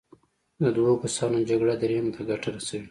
د دوو کسانو جګړه دریم ته ګټه رسوي.